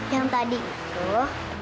yang tadi itu